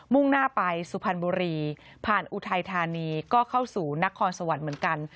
่งหน้าไปสุพรรณบุรีผ่านอุทัยธานีก็เข้าสู่นครสวรรค์เหมือนกัน